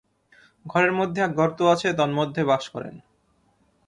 ঘরের মধ্যে এক গর্ত আছে, তন্মধ্যে বাস করেন।